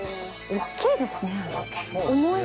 大っきいですね。